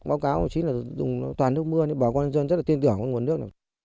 báo cáo chính là dùng toàn nước mưa nên bà con dân rất là tiên tưởng cái nguồn nước